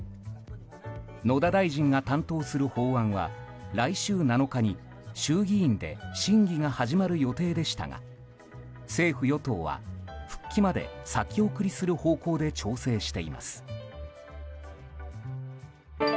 野田大臣が担当する法案は来週７日に衆議院で審議が始まる予定でしたが政府・与党は、復帰まで先送りする方向で調整しています。